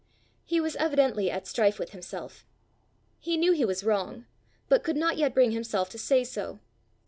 He was evidently at strife with himself: he knew he was wrong, but could not yet bring himself to say so.